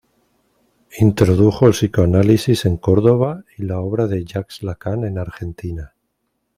Introdujo el psicoanálisis en Córdoba, y la obra de Jacques Lacan en Argentina.